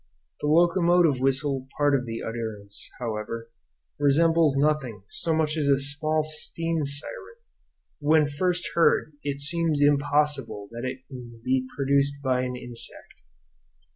The locomotive whistle part of the utterance, however, resembles nothing so much as a small steam siren; when first heard it seems impossible that it can be produced by an insect.